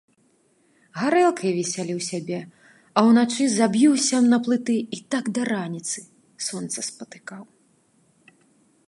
Гарэлкай весяліў сябе, а ўначы заб'юся на плыты і так да раніцы сонца спатыкаў.